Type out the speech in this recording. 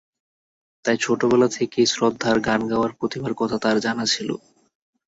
তাই ছোটবেলা থেকেই শ্রদ্ধার গান গাওয়ার প্রতিভার কথা তাঁর জানা ছিল।